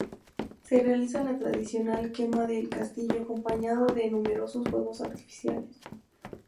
Se realiza la tradicional quema del castillo acompañado de numerosos fuegos artificiales.